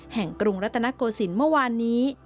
แห่งกรุงรัตนโกสินทร์เมื่อวานนี้